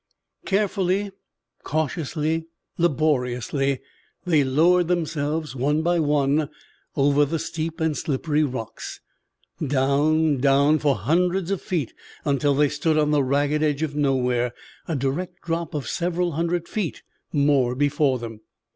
Carefully, cautiously, laboriously they lowered themselves one by one over the steep and slippery rocks, down, down for hundreds of feet until they stood on the ragged edge of nowhere, a direct drop of several hundred feet more before them.